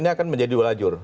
akan menjadi dua lajur